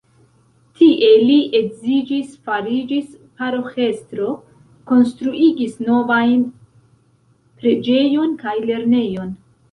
Tie li edziĝis, fariĝis paroĥestro, konstruigis novajn preĝejon kaj lernejon.